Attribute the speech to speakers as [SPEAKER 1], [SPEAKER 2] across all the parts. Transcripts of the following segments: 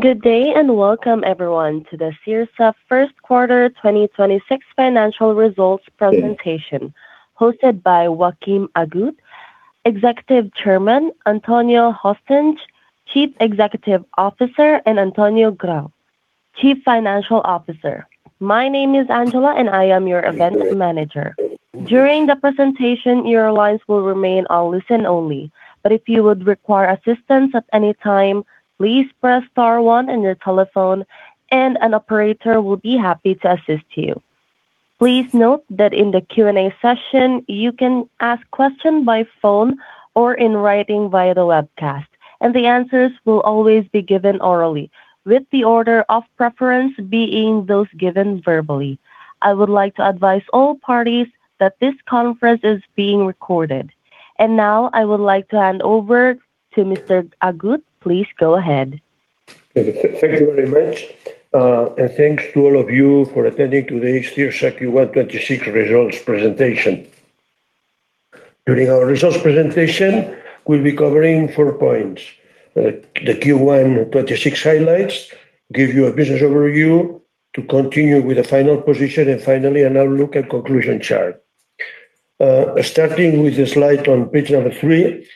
[SPEAKER 1] Good day and welcome everyone, to the CIRSA Q1 2026 financial results presentation, hosted by Joaquim Agut, Executive Chairman, Antonio Hostench, Chief Executive Officer, and Antonio Grau, Chief Financial Officer. My name is Angela and I am your event manager. During the presentation, your lines will remain on listen only, but if you would require assistance at any time, please press star one on your telephone and an operator will be happy to assist you. Please note that in the Q&A session, you can ask questions by phone or in writing via the webcast, and the answers will always be given orally, with the order of preference being those given verbally. I would like to advise all parties that this conference is being recorded. Now I would like to hand over to Mr. Agut. Please go ahead.
[SPEAKER 2] Thank you very much. Thanks to all of you for attending today's CIRSA Q1 2026 results presentation. During our results presentation, we will be covering four points. The Q1 2026 highlights, give you a business overview, to continue with the financial position, finally, an outlook and conclusion chart. Starting with the slide on page 3, I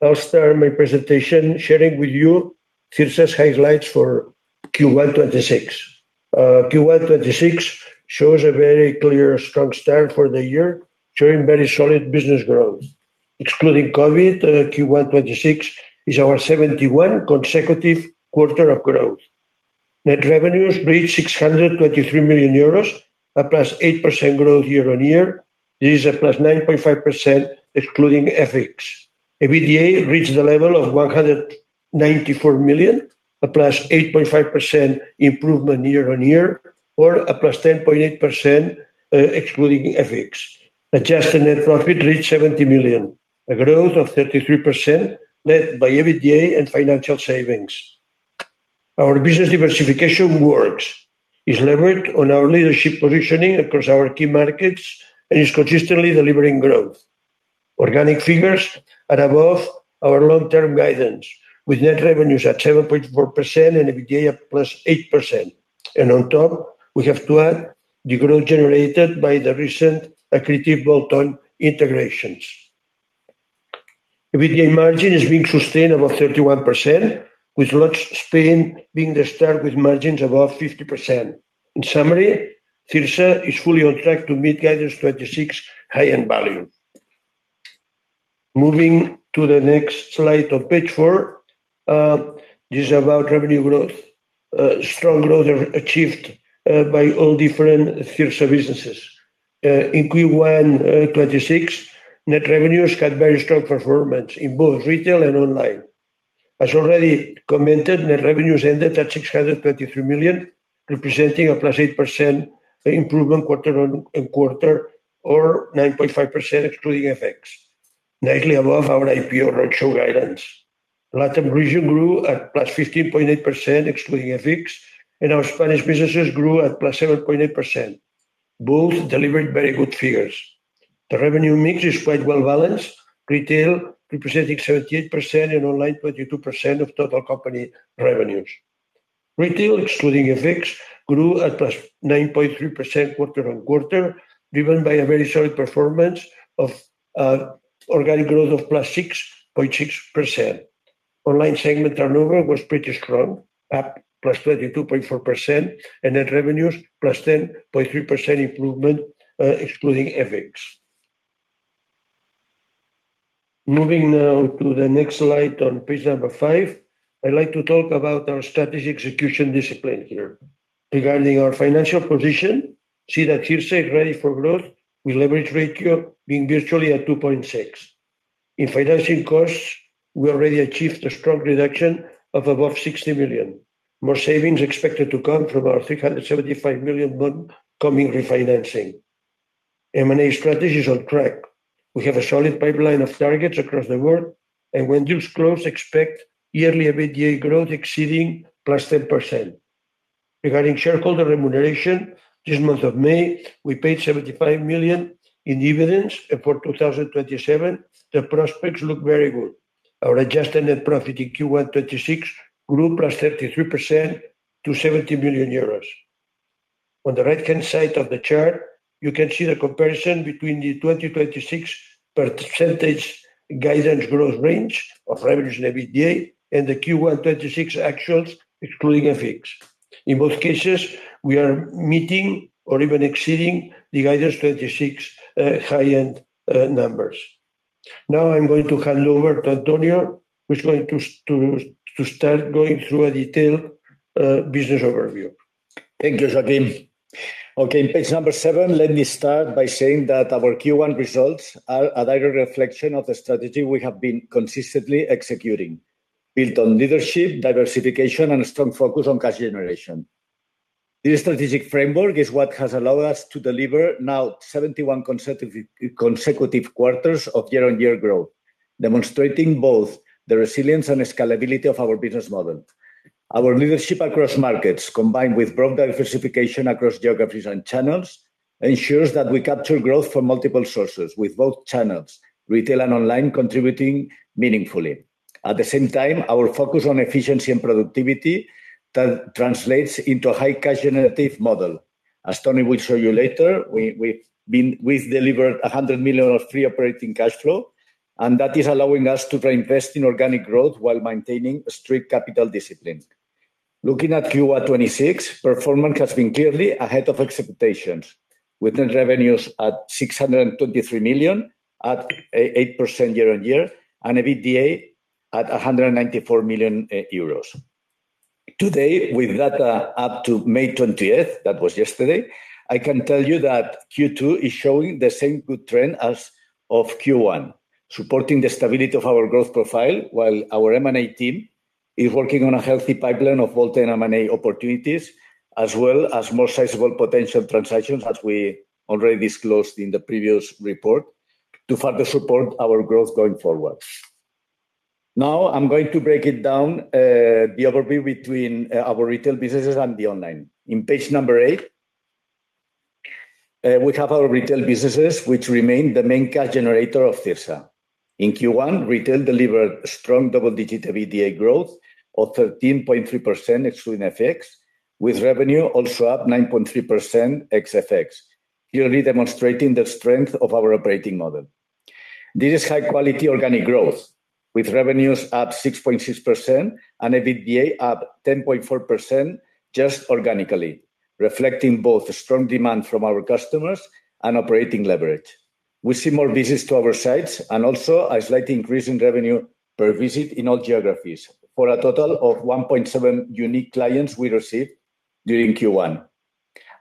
[SPEAKER 2] will start my presentation sharing with you CIRSA's highlights for Q1 2026. Q1 2026 shows a very clear, strong start for the year, showing very solid business growth. Excluding COVID, Q1 2026 is our 71 consecutive quarter of growth. Net revenues reached 623 million euros, a +8% growth year-on-year. This is a +9.5% excluding FX. EBITDA reached a level of 194 million, a +8.5% improvement year-on-year, or a +10.8% excluding FX. Adjusted net profit reached 70 million, a growth of 33% led by EBITDA and financial savings. Our business diversification works, is leveraged on our leadership positioning across our key markets, and is consistently delivering growth. Organic figures are above our long-term guidance, with net revenues at 7.4% and EBITDA +8%. On top, we have to add the growth generated by the recent accretive bolt-on integrations. EBITDA margin is being sustained above 31%, with Slots Spain being the start with margins above 50%. In summary, CIRSA is fully on track to meet guidance 2026 high-end value. Moving to the next slide of page 4, this is about revenue growth. Strong growth achieved by all different CIRSA businesses. In Q1 2026, net revenues had very strong performance in both retail and online. As already commented, net revenues ended at 623 million, representing a +8% improvement quarter-on-quarter, or 9.5% excluding FX. Slightly above our IPO roadshow guidance. LATAM region grew at +15.8% excluding FX, and our Spanish businesses grew at +7.8%. Both delivered very good figures. The revenue mix is quite well-balanced. Retail representing 38% and online 22% of total company revenues. Retail, excluding FX, grew at +9.3% quarter-on-quarter, driven by a very solid performance of organic growth of +6.6%. Online segment turnover was pretty strong, up +32.4%, and net revenues +10.3% improvement, excluding FX. Moving now to the next slide on page number 5, I'd like to talk about our strategy execution discipline here. Regarding our financial position, see that CIRSA is ready for growth, with leverage ratio being virtually at 2.6x. In financing costs, we already achieved a strong reduction of above 60 million. More savings expected to come from our 375 million bond coming refinancing. M&A strategy is on track. We have a solid pipeline of targets across the world. When deals close, expect yearly EBITDA growth exceeding +10%. Regarding shareholder remuneration, this month of May, we paid 75 million in dividends. For 2027, the prospects look very good. Our adjusted net profit in Q1 2026 grew +33% to 70 million euros. On the right-hand side of the chart, you can see the comparison between the 2026 percentage guidance growth range of revenue and EBITDA and the Q1 2026 actuals, excluding FX. In both cases, we are meeting or even exceeding the guidance 2026 high-end numbers. Now I'm going to hand over to Antonio, who's going to start going through a detailed business overview.
[SPEAKER 3] Thanks, Joaquim. Okay, page number seven, let me start by saying that our Q1 results are a direct reflection of the strategy we have been consistently executing, built on leadership, diversification, and a strong focus on cash generation. This strategic framework is what has allowed us to deliver now 71 consecutive quarters of year-on-year growth, demonstrating both the resilience and scalability of our business model. Our leadership across markets, combined with broad diversification across geographies and channels ensures that we capture growth from multiple sources with both channels, retail and online, contributing meaningfully. At the same time, our focus on efficiency and productivity translates into a high cash generative model. As Antonio will show you later, we've delivered 100 million of free operating cash flow, that is allowing us to reinvest in organic growth while maintaining a strict capital discipline. Looking at Q1 2026, performance has been clearly ahead of expectations, with net revenues at 623 million, at 8% year-on-year, and EBITDA at 194 million euros. Today, with data up to May 20th, that was yesterday, I can tell you that Q2 is showing the same good trend as of Q1, supporting the stability of our growth profile while our M&A team is working on a healthy pipeline of bolt-on M&A opportunities, as well as more sizable potential transactions, as we already disclosed in the previous report, to further support our growth going forward. Now, I'm going to break it down, the overview between our retail businesses and the online. In page number 8, we have our retail businesses, which remain the main cash generator of CIRSA. In Q1, retail delivered strong double-digit EBITDA growth of 13.3% excluding FX, with revenue also up 9.3% ex FX, clearly demonstrating the strength of our operating model. This is high-quality organic growth, with revenues up 6.6% and EBITDA up 10.4% just organically, reflecting both strong demand from our customers and operating leverage. We see more visits to our sites and also a slight increase in revenue per visit in all geographies, for a total of 1.7 unique clients we received during Q1.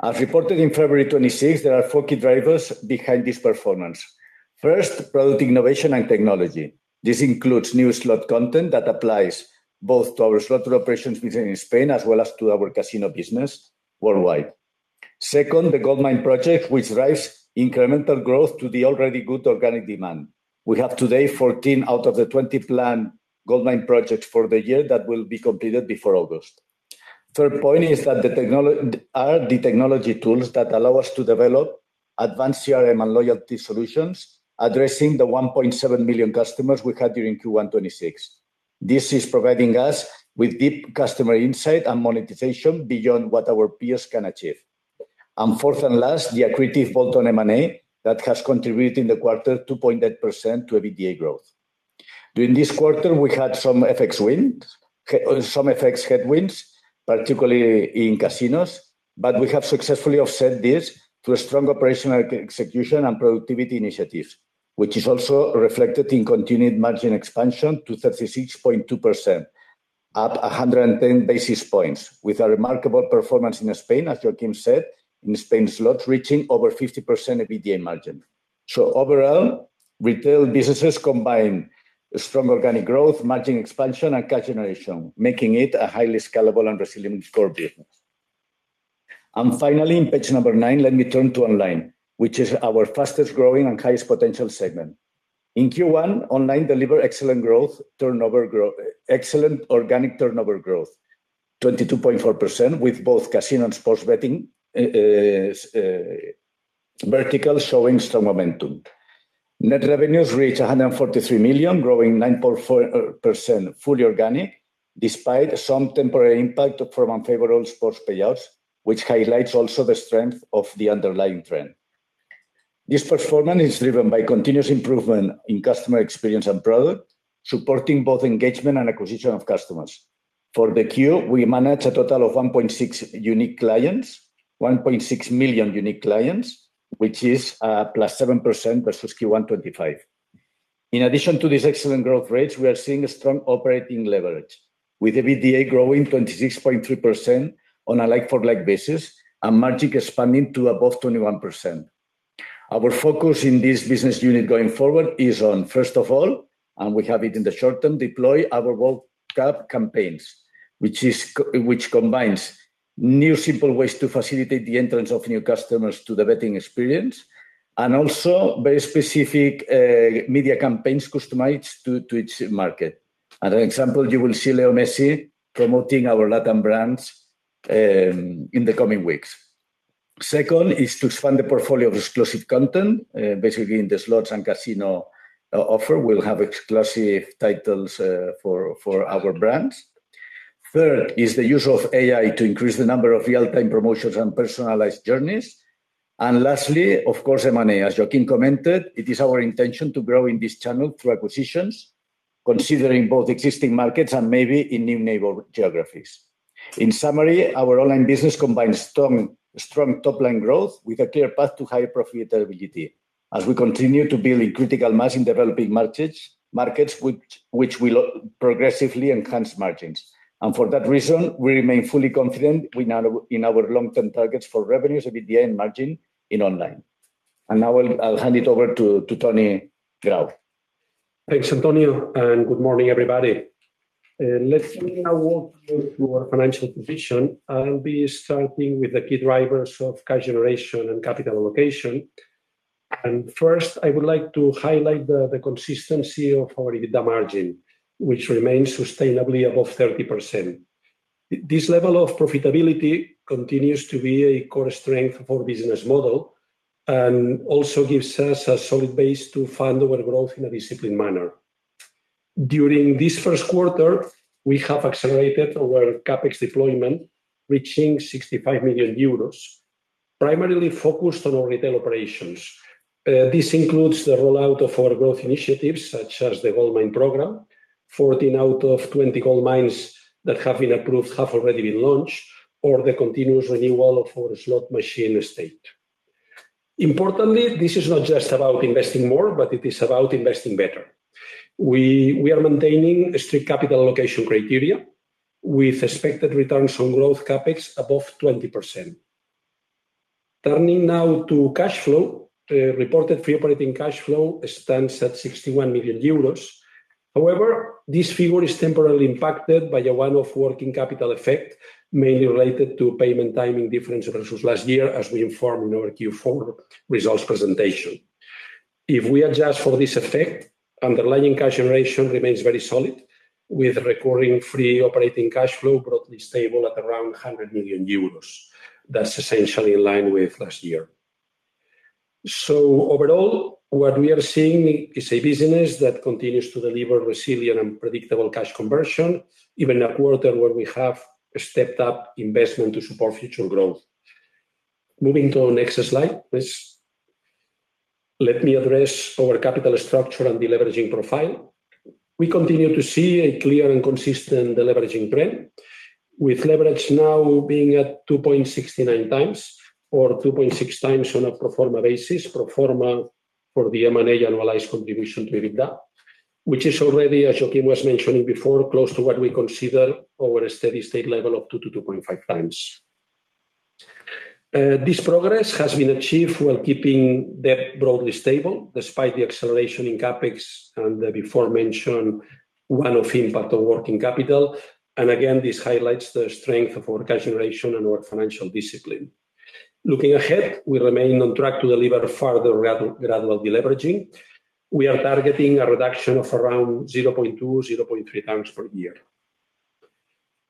[SPEAKER 3] As reported in February 26th, there are four key drivers behind this performance. First, product innovation and technology. This includes new slot content that applies both to our slot operations within Spain as well as to our casino business worldwide. Second, the Gold Mine project, which drives incremental growth to the already good organic demand. We have today 14 out of the 20 planned Gold Mine projects for the year that will be completed before August. Third point is the technology tools that allow us to develop advanced CRM and loyalty solutions addressing the 1.7 million customers we had during Q1 2026. This is providing us with deep customer insight and monetization beyond what our peers can achieve. Fourth and last, the accretive bolt-on M&A that has contributed in the quarter 2.8% to EBITDA growth. During this quarter, we had some FX headwinds, particularly in casinos, we have successfully offset this through a strong operational execution and productivity initiatives, which is also reflected in continued margin expansion to 36.2%, up 110 basis points, with a remarkable performance in Spain, as Joaquim said, in Spain slots reaching over 50% EBITDA margin. Overall, retail businesses combine strong organic growth, margin expansion, and cash generation, making it a highly scalable and resilient core business. Finally, in page 9, let me turn to online, which is our fastest-growing and highest potential segment. In Q1, online delivered excellent organic turnover growth, 22.4%, with both casino and sports betting verticals showing strong momentum. Net revenues reached 143 million, growing 9.4% fully organic, despite some temporary impact from unfavorable sports payouts, which highlights also the strength of the underlying trend. This performance is driven by continuous improvement in customer experience and product, supporting both engagement and acquisition of customers. For the Q, we managed a total of 1.6 million unique clients, which is +7% versus Q1 2025. In addition to these excellent growth rates, we are seeing a strong operating leverage, with EBITDA growing 26.3% on a like-for-like basis and margin expanding to above 21%. Our focus in this business unit going forward is on, first of all, and we have it in the short term, deploy our World Cup campaigns, which combines new, simple ways to facilitate the entrance of new customers to the betting experience, and also very specific media campaigns customized to its market. As an example, you will see Leo Messi promoting our LATAM brands in the coming weeks. Second is to expand the portfolio of exclusive content. Basically, in the slots and casino offer, we'll have exclusive titles for our brands. Third is the use of AI to increase the number of real-time promotions and personalized journeys. Lastly, of course, M&A. As Joaquim commented, it is our intention to grow in this channel through acquisitions, considering both existing markets and maybe in new neighbor geographies. In summary, our online business combines strong top-line growth with a clear path to high profitability as we continue to build a critical mass in developing markets, which will progressively enhance margins. For that reason, we remain fully confident in our long-term targets for revenues, EBITDA, and margin in online. Now I'll hand it over to Toni Grau.
[SPEAKER 4] Thanks, Antonio, good morning, everybody. Let me now walk you through our financial position. I'll be starting with the key drivers of cash generation and capital allocation. First, I would like to highlight the consistency of our EBITDA margin, which remains sustainably above 30%. This level of profitability continues to be a core strength of our business model and also gives us a solid base to fund our growth in a disciplined manner. During this Q1, we have accelerated our CapEx deployment, reaching 65 million euros, primarily focused on our retail operations. This includes the rollout of our growth initiatives, such as the Gold Mine program. 14 out of 20 gold mines that have been approved have already been launched, or the continuous renewal of our slot machine estate. Importantly, this is not just about investing more, but it is about investing better. We are maintaining strict capital allocation criteria with expected returns on growth CapEx above 20%. Turning now to cash flow. Reported free operating cash flow stands at 61 million euros. However, this figure is temporarily impacted by a one-off working capital effect, mainly related to payment timing differences versus last year, as we informed in our Q4 results presentation. If we adjust for this effect, underlying cash generation remains very solid, with recurring free operating cash flow broadly stable at around 100 million euros. That's essentially in line with last year. Overall, what we are seeing is a business that continues to deliver resilient and predictable cash conversion, even in a quarter where we have stepped up investment to support future growth. Moving to our next slide, please. Let me address our capital structure and deleveraging profile. We continue to see a clear and consistent deleveraging trend, with leverage now being at 2.69x or 2.6x on a pro forma basis, pro forma for the M&A annualized contribution to EBITDA, which is already, as Joaquim was mentioning before, close to what we consider our steady-state level of 2x-2.5x. This progress has been achieved while keeping debt broadly stable, despite the acceleration in CapEx and the beforementioned one-off impact on working capital. Again, this highlights the strength of our cash generation and our financial discipline. Looking ahead, we remain on track to deliver further gradual deleveraging. We are targeting a reduction of around 0.2x-0.3x per year.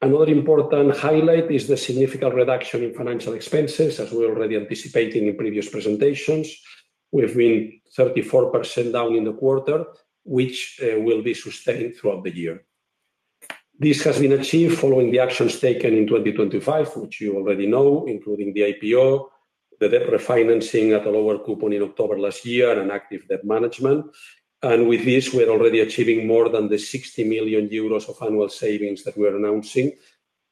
[SPEAKER 4] Another important highlight is the significant reduction in financial expenses, as we were already anticipating in previous presentations, with being 34% down in the quarter, which will be sustained throughout the year. This has been achieved following the actions taken in 2025, which you already know, including the IPO, the debt refinancing at a lower coupon in October last year, and active debt management. With this, we are already achieving more than the 60 million euros of annual savings that we are announcing.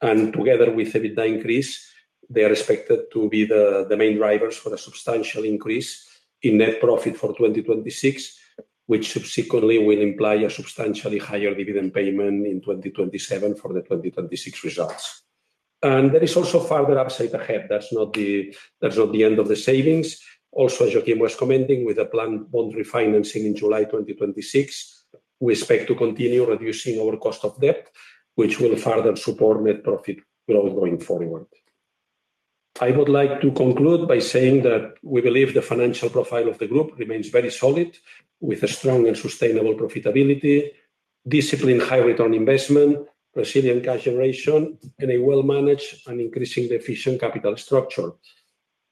[SPEAKER 4] Together with EBITDA increase, they are expected to be the main drivers for the substantial increase in net profit for 2026, which subsequently will imply a substantially higher dividend payment in 2027 for the 2026 results. There is also further upside ahead. That's not the end of the savings. Also, as Joaquim was commenting, with a planned bond refinancing in July 2026, we expect to continue reducing our cost of debt, which will further support net profit growth going forward. I would like to conclude by saying that we believe the financial profile of the group remains very solid, with a strong and sustainable profitability, disciplined high return on investment, resilient cash generation, and a well-managed and increasingly efficient capital structure.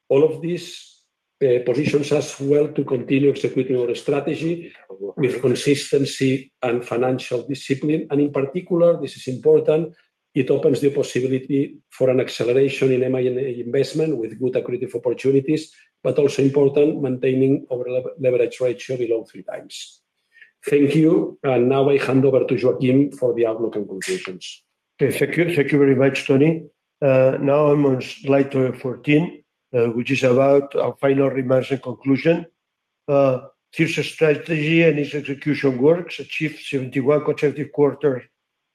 [SPEAKER 4] All of this positions us well to continue executing our strategy with consistency and financial discipline. In particular, this is important, it opens the possibility for an acceleration in M&A investment with good accretive opportunities, but also important, maintaining our leverage ratio below 3x. Thank you. Now I hand over to Joaquim for the outlook and conclusions.
[SPEAKER 2] Okay. Thank you. Thank you very much, Toni. Now on slide 14, which is about our final remarks and conclusion. CIRSA strategy and its execution works achieved 71 consecutive quarter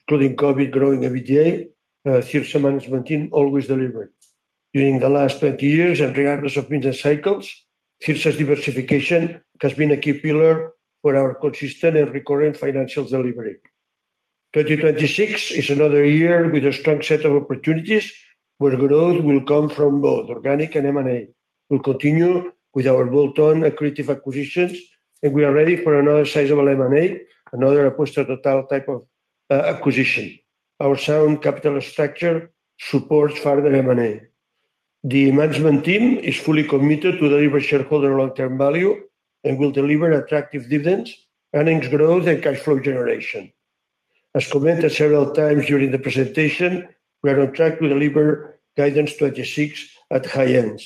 [SPEAKER 2] including COVID, growing EBITDA. CIRSA management team always delivered. During the last 20 years and regardless of business cycles, CIRSA's diversification has been a key pillar for our consistent and recurring financial delivery. 2026 is another year with a strong set of opportunities where growth will come from both organic and M&A. We'll continue with our bolt-on accretive acquisitions, and we are ready for another sizable M&A, another acquisition total type of acquisition. Our sound capital structure supports further M&A. The management team is fully committed to deliver shareholder long-term value and will deliver attractive dividends, earnings growth, and cash flow generation. As commented several times during the presentation, we are on track to deliver guidance 2026 at high ends.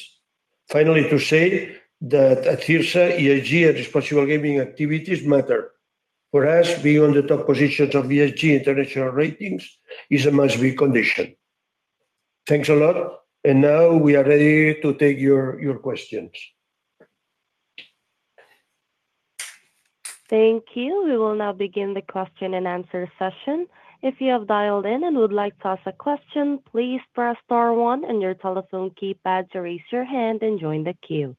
[SPEAKER 2] Finally, to say that at CIRSA, ESG and responsible gaming activities matter. For us, being on the top positions of ESG international ratings is a must-win condition. Thanks a lot. Now we are ready to take your questions.
[SPEAKER 1] Thank you. We will now begin the question and answer session. If you have dialed in and would like to ask a question, please press star one on your telephone keypad to raise your hand and join the queue.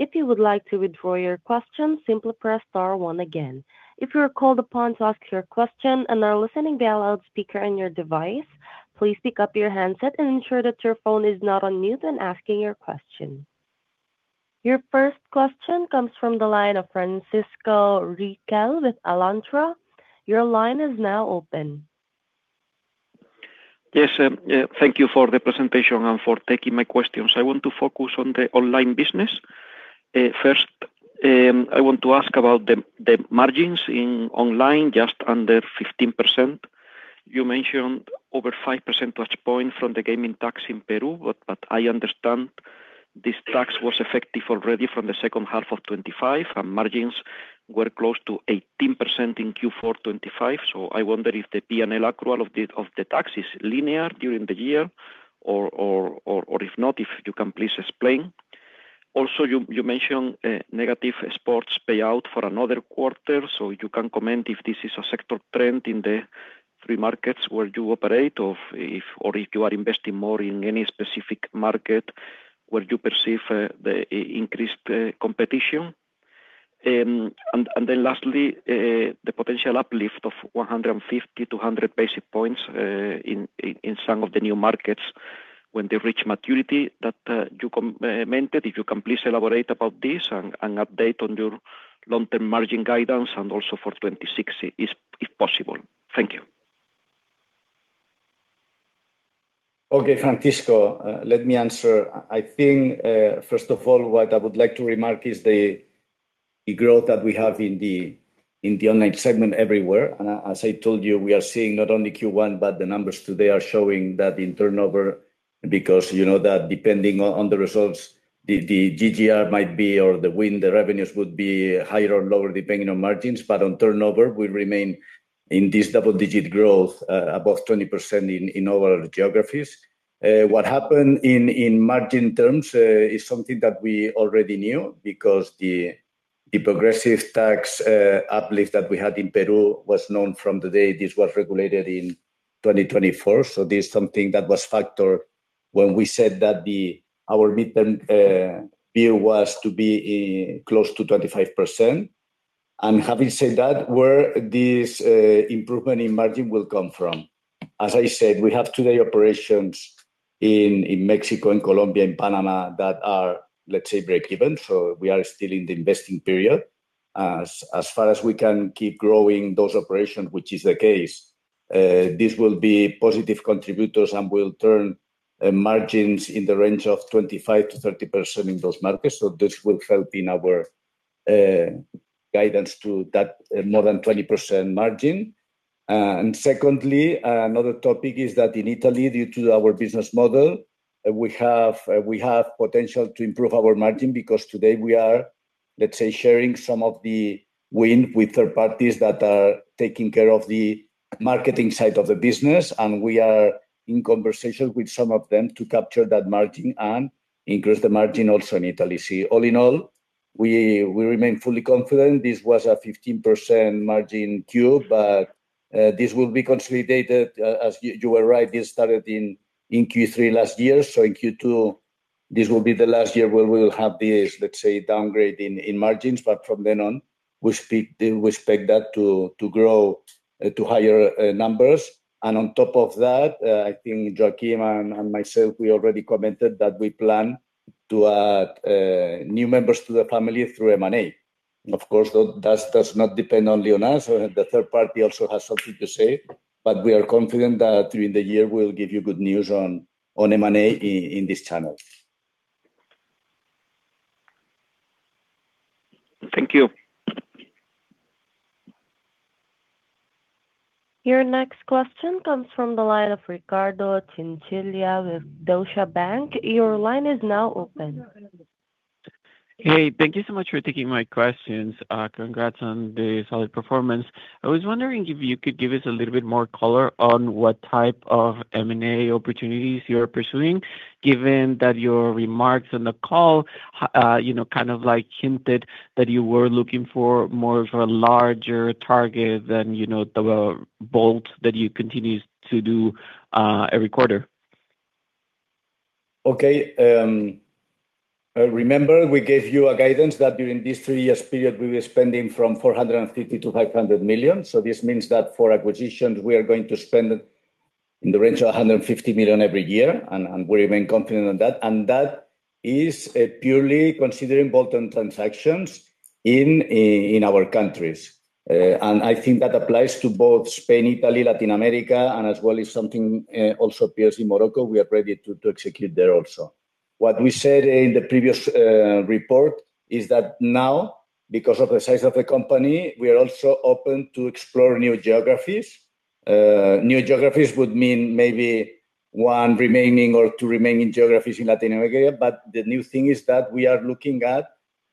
[SPEAKER 1] If you would like to withdraw your question, simply press star one again. If you are called upon to ask your question and are listening via loudspeaker on your device, please pick up your headsets and make sure your phone is not on mute when asking your question. Your first question comes from the line of Francisco Riquel with Alantra.
[SPEAKER 5] Thank you for the presentation and for taking my questions. I want to focus on the online business. First, I want to ask about the margins in online, just under 15%. You mentioned over 5 percentage points from the gaming tax in Peru. I understand this tax was effective already from the H2 of 2025, and margins were close to 18% in Q4 2025. I wonder if the P&L accrual of the tax is linear during the year or, if not, if you can please explain. You mentioned a negative sports payout for another quarter, you can comment if this is a sector trend in the three markets where you operate or if you are investing more in any specific market where you perceive the increased competition. Lastly, the potential uplift of 150-100 basis points in some of the new markets when they reach maturity that you commented. If you can please elaborate about this and update on your long-term margin guidance and also for 2026, if possible. Thank you.
[SPEAKER 3] Okay, Francisco, let me answer. I think, first of all, what I would like to remark is the growth that we have in the online segment everywhere. As I told you, we are seeing not only Q1, but the numbers today are showing that in turnover because you know that depending on the results, the GGR might be, or the win, the revenues would be higher or lower depending on margins. On turnover, we remain in this double-digit growth, above 20% in all our geographies. What happened in margin terms is something that we already knew because the progressive tax uplift that we had in Peru was known from the day this was regulated in 2024. This is something that was factored when we said that our mid-term view was to be close to 25%. Having said that, where this improvement in margin will come from? As I said, we have today operations in Mexico and Colombia and Panama that are, let's say, breakeven. We are still in the investing period. As far as we can keep growing those operations, which is the case, this will be positive contributors and will turn margins in the range of 25%-30% in those markets. This will help in our guidance to that more than 20% margin. Secondly, another topic is that in Italy, due to our business model, we have potential to improve our margin because today we are, let's say, sharing some of the win with third parties that are taking care of the marketing side of the business. We are in conversation with some of them to capture that margin and increase the margin also in Italy. See, all in all, we remain fully confident. This was a 15% margin Q, but this will be consolidated. You are right, this started in Q3 last year. In Q2, this will be the last year where we will have this, let's say, downgrade in margins, but from then on, we expect that to grow to higher numbers. On top of that, I think Joaquim and myself, we already commented that we plan to add new members to the family through M&A. Of course, that does not depend only on us. The third party also has something to say, but we are confident that during the year, we'll give you good news on M&A in this channel.
[SPEAKER 5] Thank you.
[SPEAKER 1] Your next question comes from the line of Ricardo Chinchilla with Deutsche Bank. Your line is now open.
[SPEAKER 6] Hey, thank you so much for taking my questions. Congrats on the solid performance. I was wondering if you could give us a little bit more color on what type of M&A opportunities you're pursuing, given that your remarks on the call hinted that you were looking for more of a larger target than the bolt that you continue to do every quarter.
[SPEAKER 3] Okay. Remember we gave you a guidance that during this three years period, we were spending from 450 million-500 million. This means that for acquisitions, we are going to spend in the range of 150 million every year, and we remain confident on that. That is purely considering bolt-on transactions in our countries. I think that applies to both Spain, Italy, Latin America, and as well as something also appears in Morocco. We are ready to execute there also. What we said in the previous report is that now, because of the size of the company, we are also open to explore new geographies. New geographies would mean maybe one remaining or two remaining geographies in Latin America. The new thing is that we are looking at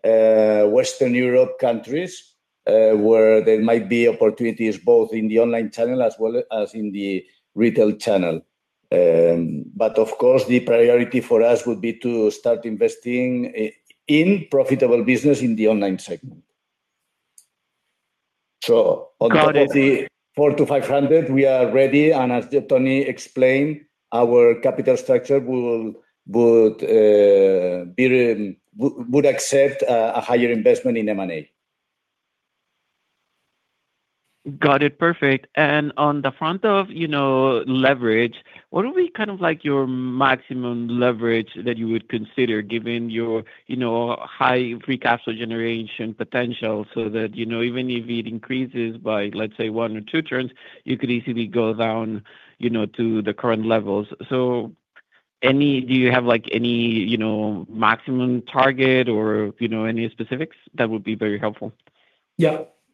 [SPEAKER 3] Western Europe countries, where there might be opportunities both in the online channel as well as in the retail channel. Of course, the priority for us would be to start investing in profitable business in the online segment.
[SPEAKER 6] Got it.
[SPEAKER 3] 450-500, we are ready. As Toni explained, our capital structure would accept a higher investment in M&A.
[SPEAKER 6] Got it. Perfect. On the front of leverage, what would be your maximum leverage that you would consider given your high free cash flow generation potential, so that even if it increases by, let's say, one or two turns, you could easily go down to the current levels. Do you have any maximum target or any specifics? That would be very helpful.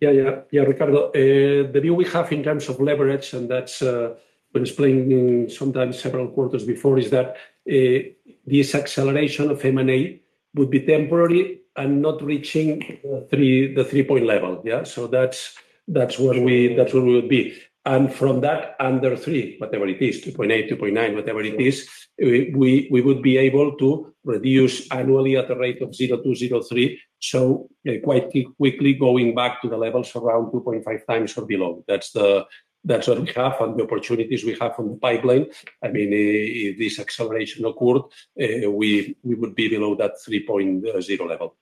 [SPEAKER 4] Yeah, Ricardo. The view we have in terms of leverage, and that's been explained sometimes several quarters before, is that this acceleration of M&A would be temporary and not reaching the 3-point level. Yeah? That's where we will be. From that, under 3-point level, whatever it is, 2.8, 2.9, whatever it is, we would be able to reduce annually at the rate of 02, 03. Quite quickly going back to the levels around 2.5x or below. That's what we have and the opportunities we have on the pipeline. If this acceleration occurred, we would be below that 3.0 level.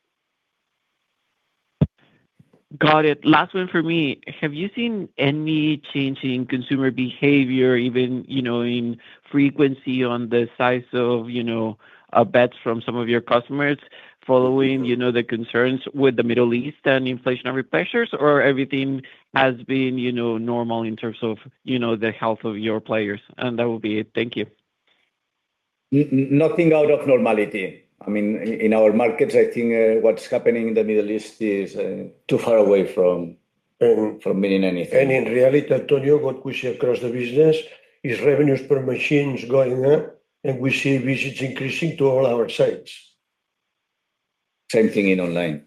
[SPEAKER 6] Got it. Last one from me. Have you seen any change in consumer behavior, even in frequency on the size of bets from some of your customers following the concerns with the Middle East and inflationary pressures? Or everything has been normal in terms of the health of your players? That would be it. Thank you.
[SPEAKER 3] Nothing out of normality. In our markets, I think what's happening in the Middle East is too far away from meaning anything.
[SPEAKER 2] In reality, Antonio, what we see across the business is revenues per machines going up, and we see visits increasing to all our sites.
[SPEAKER 4] Same thing in online.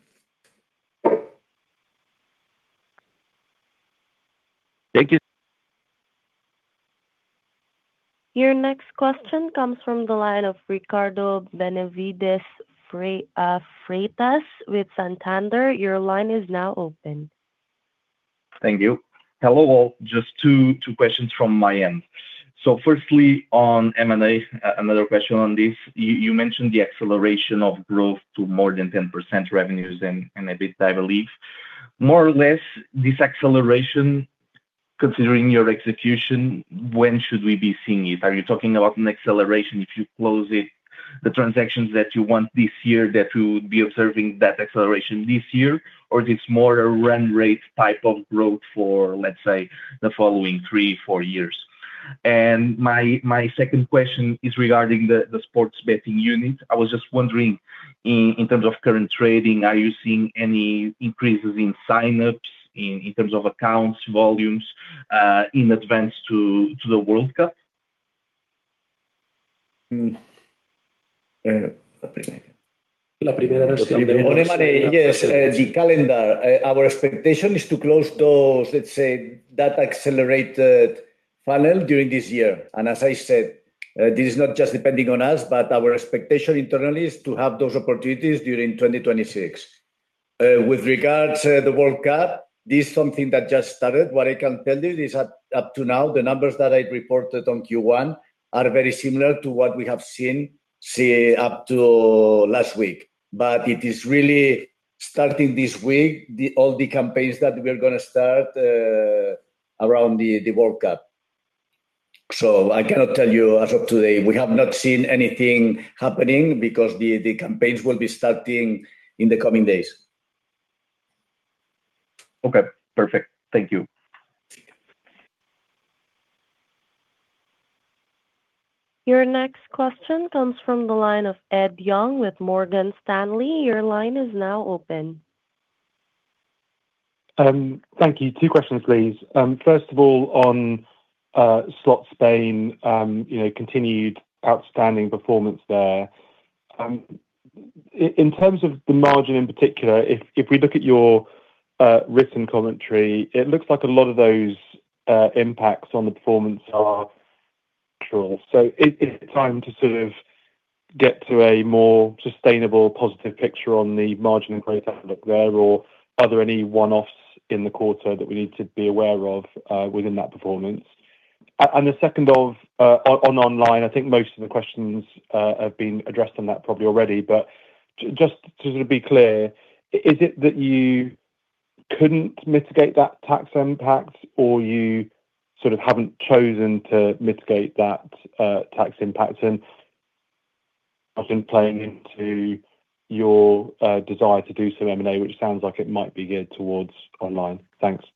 [SPEAKER 6] Thank you.
[SPEAKER 1] Your next question comes from the line of Ricardo Benevides Freitas with Santander. Your line is now open.
[SPEAKER 7] Thank you. Hello, all. Just two questions from my end. Firstly, on M&A, another question on this. You mentioned the acceleration of growth to more than 10% revenues and EBITDA, I believe. More or less, this acceleration, considering your execution, when should we be seeing it? Are you talking about an acceleration if you close the transactions that you want this year, that we would be observing that acceleration this year? Or is this more a run rate type of growth for, let's say, the following three, four years? My second question is regarding the sports betting unit. I was just wondering, in terms of current trading, are you seeing any increases in sign-ups, in terms of accounts, volumes, in advance to the World Cup?
[SPEAKER 3] Yes, the calendar. Our expectation is to close those, let's say, that accelerated funnel during this year. As I said, this is not just depending on us, but our expectation internally is to have those opportunities during 2026. With regards to the World Cup, this is something that just started. What I can tell you is up to now, the numbers that I reported on Q1 are very similar to what we have seen up to last week. It is really starting this week, all the campaigns that we are going to start around the World Cup. I cannot tell you as of today, we have not seen anything happening because the campaigns will be starting in the coming days.
[SPEAKER 7] Okay, perfect. Thank you.
[SPEAKER 1] Your next question comes from the line of Ed Young with Morgan Stanley. Your line is now open.
[SPEAKER 8] Thank you. Two questions, please. First of all, on Slots Spain, continued outstanding performance there. In terms of the margin in particular, if we look at your written commentary, it looks like a lot of those impacts on the performance are structural. Is it time to sort of get to a more sustainable, positive picture on the margin and growth outlook there? Are there any one-offs in the quarter that we need to be aware of within that performance? The second of, on online, I think most of the questions have been addressed on that probably already. Just to be clear, is it that you couldn't mitigate that tax impact or you sort of haven't chosen to mitigate that tax impact? Has been playing into your desire to do some M&A, which sounds like it might be geared towards online. Thanks.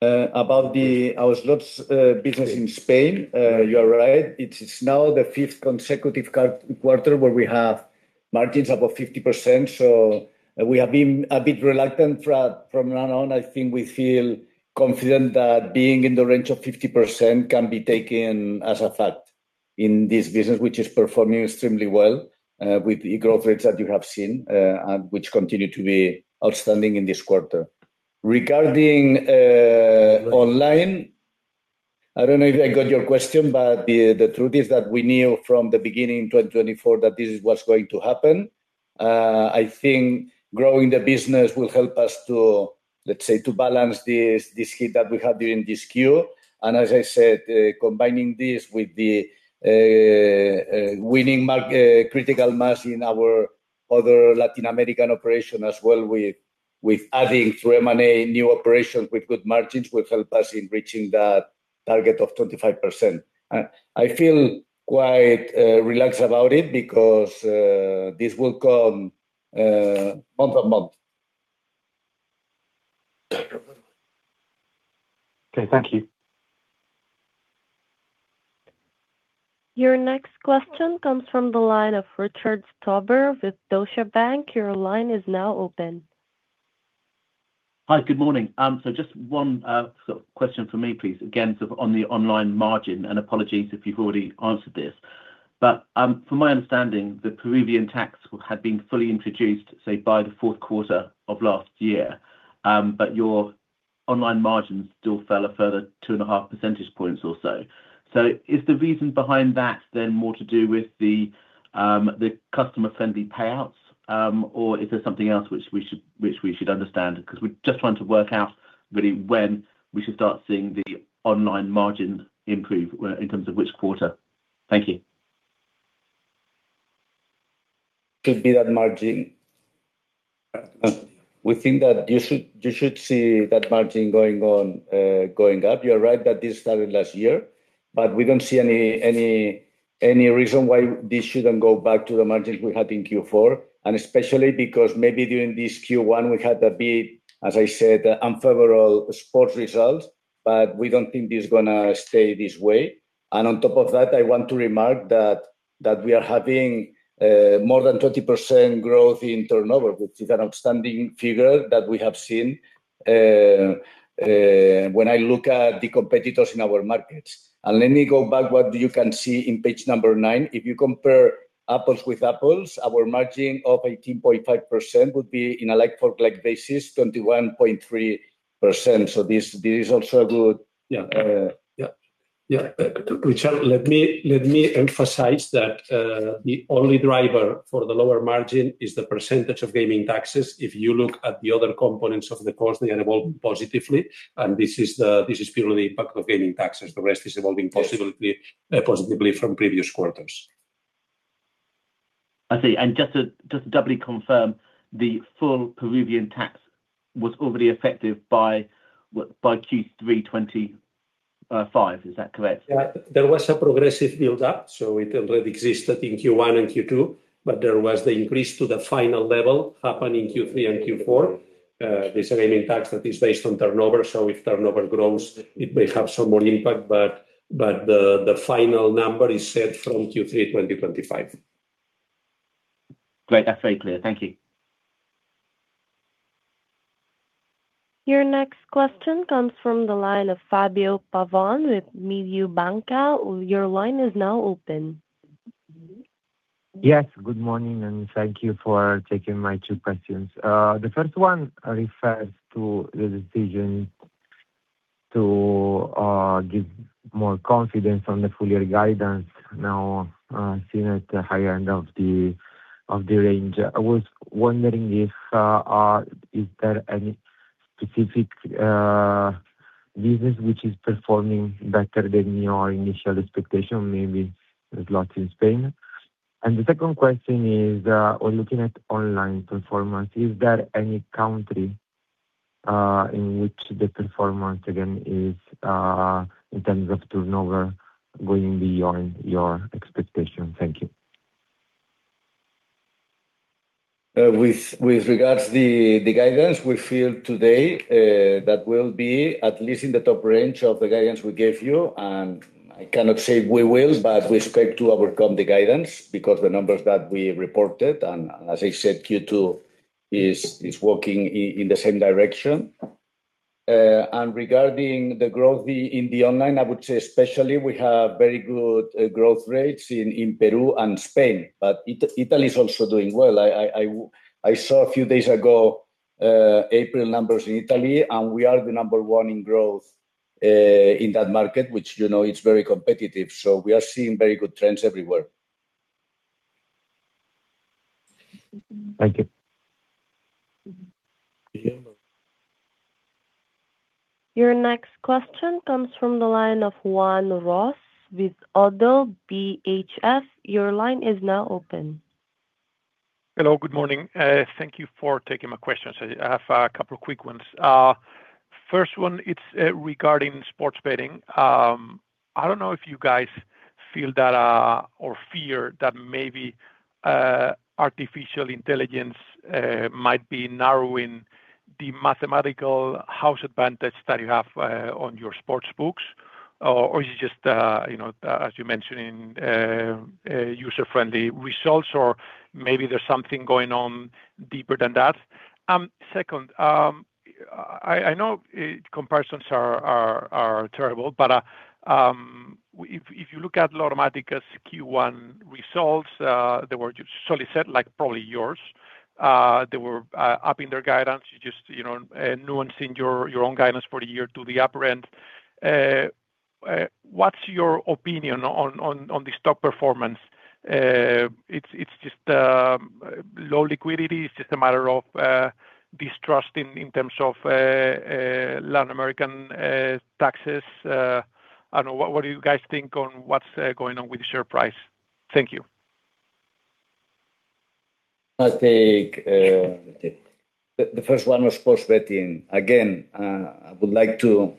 [SPEAKER 3] About our Slots business in Spain, you are right. It is now the fifth consecutive quarter where we have margins above 50%. We have been a bit reluctant from now on. I think we feel confident that being in the range of 50% can be taken as a fact in this business, which is performing extremely well, with the growth rates that you have seen, and which continue to be outstanding in this quarter. Regarding online, I don't know if I got your question, the truth is that we knew from the beginning of 2024 that this is what's going to happen. I think growing the business will help us to, let's say, to balance this hit that we had during this Q. As I said, combining this with the winning critical mass in our other Latin American operation as well with adding through M&A new operations with good margins will help us in reaching that target of 25%. I feel quite relaxed about it because this will come month-on-month.
[SPEAKER 8] Okay, thank you.
[SPEAKER 1] Your next question comes from the line of Richard Stuber with Deutsche Bank. Your line is now open.
[SPEAKER 9] Hi, good morning. Just one question from me, please, again on the online margin, and apologies if you've already answered this. From my understanding, the Peruvian tax had been fully introduced, say, by the Q4 of last year. Your online margins still fell a further 2.5 percentage points or so. Is the reason behind that then more to do with the customer-friendly payouts? Is there something else which we should understand? We're just trying to work out really when we should start seeing the online margin improve in terms of which quarter. Thank you.
[SPEAKER 3] Could be that margin. We think that you should see that margin going up. You're right that this started last year. We don't see any reason why this shouldn't go back to the margins we had in Q4, and especially because maybe during this Q1, we had a bit, as I said, unfavorable sports results. We don't think this is going to stay this way. On top of that, I want to remark that we are having more than 20% growth in turnover, which is an outstanding figure that we have seen when I look at the competitors in our markets. Let me go back what you can see on page 9. If you compare apples with apples, our margin of 18.5% would be in a like-for-like basis, 21.3%. This is also good.
[SPEAKER 4] Richard, let me emphasize that the only driver for the lower margin is the percentage of gaming taxes. If you look at the other components of the cost, they evolve positively, and this is purely impact of gaming taxes. The rest is evolving positively from previous quarters.
[SPEAKER 9] I see. Just to doubly confirm, the full Peruvian tax was already effective by Q3 2025. Is that correct?
[SPEAKER 4] Yeah. There was a progressive build-up, so it already existed in Q1 and Q2, but there was the increase to the final level happened in Q3 and Q4. This remaining tax that is based on turnover, so if turnover grows, it may have some more impact, but the final number is set from Q3 2025.
[SPEAKER 9] Great. That's very clear. Thank you.
[SPEAKER 1] Your next question comes from the line of Fabio Pavan with Mediobanca. Your line is now open.
[SPEAKER 10] Yes, good morning, and thank you for taking my two questions. The first one refers to the decision to give more confidence on the full-year guidance now seen at the higher end of the range. I was wondering is there any specific business which is performing better than your initial expectation? Maybe the Slots Spain. The second question is, on looking at online performance, is there any country in which the performance, again, is in terms of turnover going beyond your expectation? Thank you.
[SPEAKER 3] With regards the guidance we feel today, that will be at least in the top range of the guidance we gave you, and I cannot say we will, but we expect to overcome the guidance because the numbers that we reported, and as I said, Q2 is working in the same direction. Regarding the growth in the online, I would say especially we have very good growth rates in Peru and Spain, but Italy is also doing well. I saw a few days ago April numbers in Italy, and we are the number 1 in growth in that market, which is very competitive. We are seeing very good trends everywhere.
[SPEAKER 10] Thank you.
[SPEAKER 1] Your next question comes from the line of Juan Ros with Oddo BHF. Your line is now open.
[SPEAKER 11] Hello, good morning. Thank you for taking my questions. I have a couple of quick ones. First one, it's regarding sports betting. I don't know if you guys feel that or fear that maybe artificial intelligence might be narrowing the mathematical house advantage that you have on your sports books, or is it just, as you mentioned, user-friendly results or maybe there's something going on deeper than that? Second, I know comparisons are terrible, if you look at Lottomatica's Q1 results, they were solidly set, like probably yours. They were upping their guidance. You just nuancing your own guidance for the year to the upper end. What's your opinion on the stock performance? It's just low liquidity. It's just a matter of distrust in terms of Latin American taxes. I don't know, what do you guys think on what's going on with the share price? Thank you.
[SPEAKER 3] I'll take the first one was sports betting. I would like to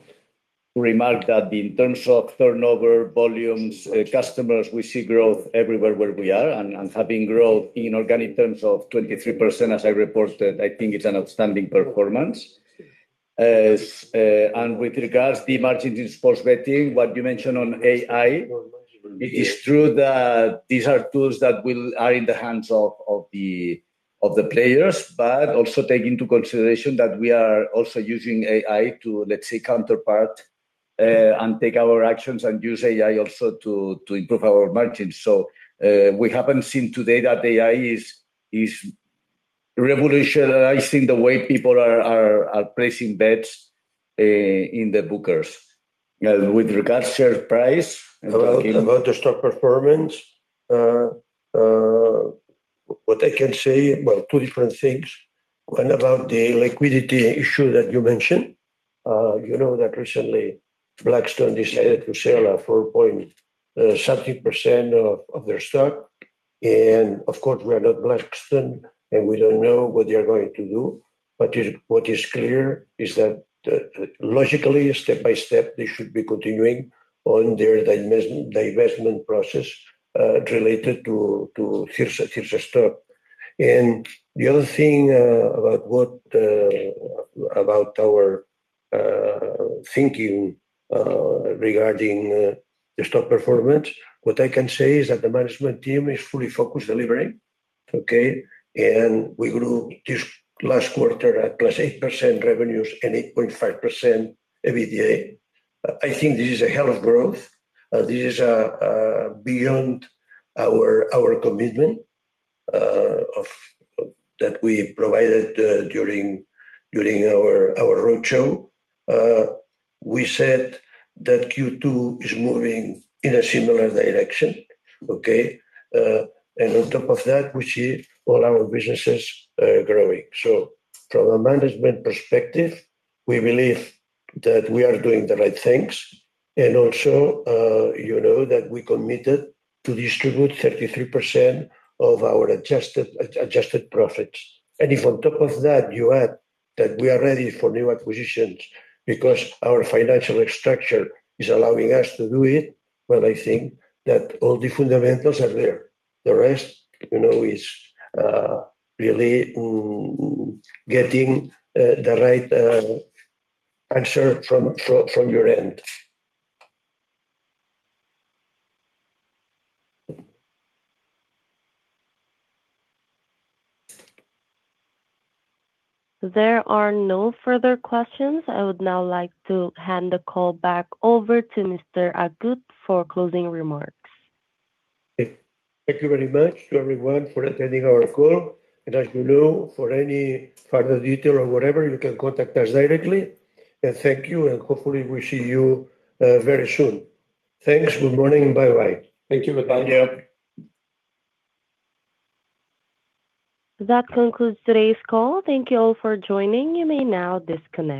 [SPEAKER 3] remark that in terms of turnover, volumes, customers, we see growth everywhere where we are and have growth in organic terms of 23%, as I reported. I think it's an outstanding performance. With regards the margins in sports betting, what you mentioned on AI, it is true that these are tools that are in the hands of the players, but also take into consideration that we are also using AI to, let's say, counterpart and take our actions and use AI also to improve our margins. We haven't seen today that AI is revolutionizing the way people are placing bets in the bookmakers. With regards share price-
[SPEAKER 2] About the stock performance, what I can say about two different things, and about the liquidity issue that you mentioned. You know that recently Blackstone decided to sell a 4 point something percent of their stock. Of course, we are not Blackstone, and we don't know what they are going to do. What is clear is that logically, step by step, they should be continuing on their divestment process related to CIRSA stock. The other thing about our thinking regarding the stock performance, what I can say is that the management team is fully focused delivering. Okay? We grew this last quarter at +8% revenues and 8.5% EBITDA. I think this is a hell of growth. This is beyond our commitment that we provided during our roadshow. We said that Q2 is moving in a similar direction. Okay? On top of that, we see all our businesses growing. From a management perspective, we believe that we are doing the right things, and also, you know that we committed to distribute 33% of our adjusted profits. If on top of that, you add that we are ready for new acquisitions because our financial structure is allowing us to do it, well, I think that all the fundamentals are there. The rest is really getting the right answer from your end.
[SPEAKER 1] There are no further questions. I would now like to hand the call back over to Mr. Agut for closing remarks.
[SPEAKER 2] Thank you very much to everyone for attending our call. As you know, for any further detail or whatever, you can contact us directly. Thank you, and hopefully we see you very soon. Thanks. Good morning, and bye-bye.
[SPEAKER 3] Thank you. Bye.
[SPEAKER 1] That concludes today's call. Thank you all for joining. You may now disconnect.